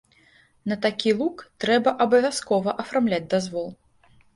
На такі лук трэба абавязкова афармляць дазвол.